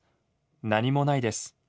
なにもないです。